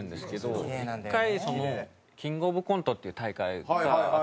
１回キングオブコントっていう大会があって。